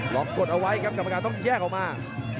กดเอาไว้ครับกรรมการต้องแยกออกมา